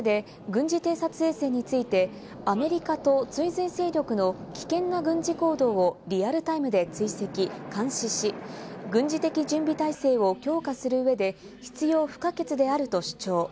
その上で、軍事偵察衛星についてアメリカと追随勢力の危険な軍事行動をリアルタイムで追跡・監視し、軍事的準備態勢を強化する上で必要不可欠であると主張。